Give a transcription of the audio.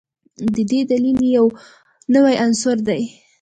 د دلیل یې نوی عصر دی.